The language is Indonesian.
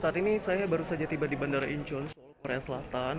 saat ini saya baru saja tiba di bandara incheon seoul korea selatan